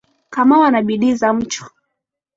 Kamau ana bidii ya mchwa